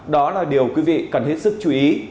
đó là điều quý vị cần hết sức chú ý